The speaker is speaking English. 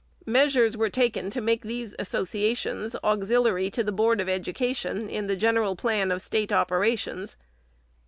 Measures were taken to make these associations auxiliary to the Board of Education in the general plan of State operations.